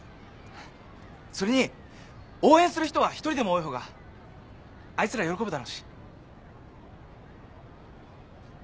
それに応援する人は１人でも多い方があいつら喜ぶだろうし。